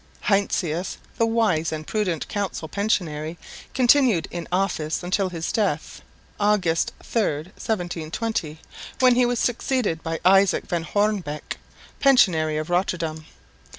Heinsius, the wise and prudent council pensionary, continued in office until his death cm August 3, 1720, when he was succeeded by Isaac van Hoornbeck, pensionary of Rotterdam.